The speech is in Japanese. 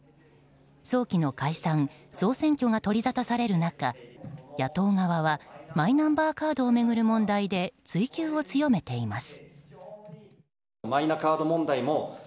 早期の解散・総選挙が取りざたされる中野党側はマイナンバーカードを巡る問題で追及を強めています。